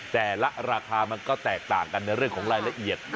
แต่ละราคามันก็แตกต่างกันในเรื่องของรายละเอียด